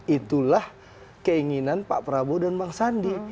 itulah keinginan pak prabowo dan bang sandi